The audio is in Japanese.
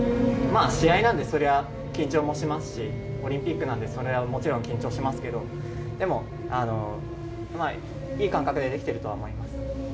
まあ、試合なんで、それは緊張もしますし、オリンピックなので、それはもちろん緊張しますけれども、まあ、いい感覚でできているとは思います。